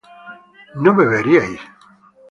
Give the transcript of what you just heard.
no beberíais